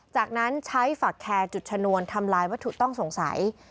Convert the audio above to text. จากนั้นใช้ฝักแคร์จุดชนวนทำลายวัตถุต้องสงสัย